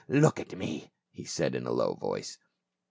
" Look at me," he said in a low voice.